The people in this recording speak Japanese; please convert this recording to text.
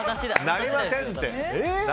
なりませんって。